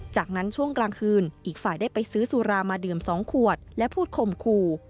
จากนั้นช่วงกลางคืนอีกฝ่ายได้ไปซื้อสุรามาดื่ม๒ขวดและพูดคมคู่